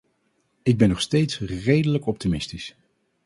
Ik ben nog steeds redelijk optimistisch.